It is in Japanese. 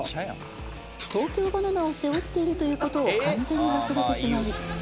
東京ばな奈を背負っているという事を完全に忘れてしまい。